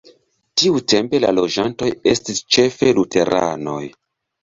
Tiutempe la loĝantoj estis ĉefe luteranoj.